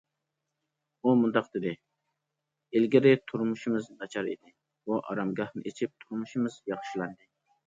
ئۇ مۇنداق دېدى: ئىلگىرى تۇرمۇشىمىز ناچار ئىدى، بۇ ئارامگاھنى ئېچىپ تۇرمۇشىمىز ياخشىلاندى.